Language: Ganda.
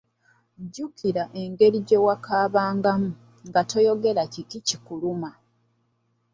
Jjukira engeri gye wakaabangamu, nga toyogera kiki kikuluma!